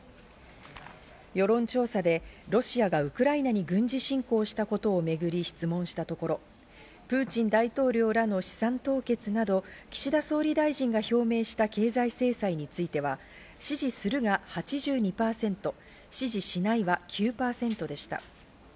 世論調査でロシアがウクライナに軍事侵攻したことをめぐり質問したところ、プーチン大統領らの資産凍結など岸田総理大臣が表明した経済制裁については、支持するが８２％、支持しないは９％でした。